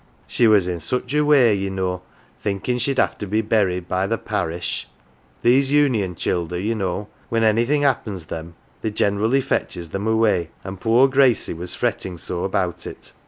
" She was in such a way, ye know, thinkin' she'd have to be buried by the parish. These Union childer, ye know, when anything happens them, they generally fetches them away, and poor Gracie was frettin' so about it.